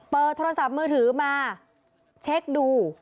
โทรศัพท์มือถือมาเช็คดู